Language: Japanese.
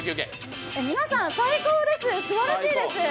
皆さん最高です、すばらしいです！